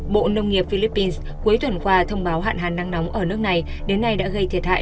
bộ nông nghiệp philippines cuối tuần qua thông báo hạn hán nắng nóng ở nước này đến nay đã gây thiệt hại